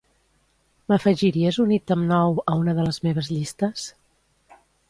M'afegiries un ítem nou a una de les meves llistes?